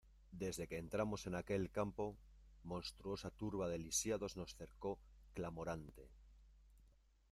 desde que entramos en aquel campo, monstruosa turba de lisiados nos cercó clamorante: